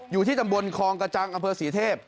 อยู่ที่ตำบลคองกระจังอำเภอศรีเทพ